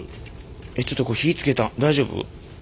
えっちょっとこれ火つけたん大丈夫？